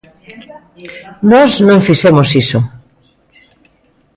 Nós non fixemos iso.